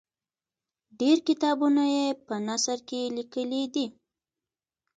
ډېر کتابونه یې په نثر کې لیکلي دي.